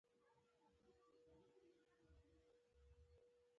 د خلکو په زخمونو به مالګې اچول.